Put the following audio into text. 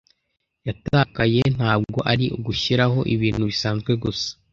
yatakaye ntabwo ari ugushiraho ibintu bisanzwe gusa.